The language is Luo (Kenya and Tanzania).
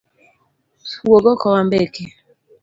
Wuog oko wambeki